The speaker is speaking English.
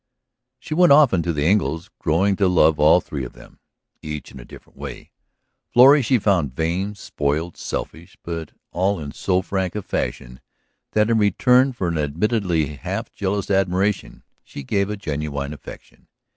She went often to the Engles', growing to love all three of them, each in a different way. Florrie she found vain, spoiled, selfish, but all in so frank a fashion that in return for an admittedly half jealous admiration she gave a genuine affection.